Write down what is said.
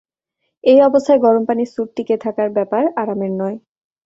এই অবস্থায় গরম পানির স্যুট টিকে থাকার ব্যাপার, আরামের নয়।